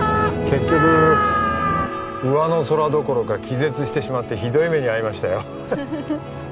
結局うわの空どころか気絶してしまってひどい目に遭いましたよ